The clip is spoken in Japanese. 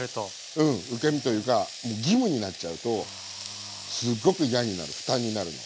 うん受け身というか義務になっちゃうとすごく嫌になる負担になるの。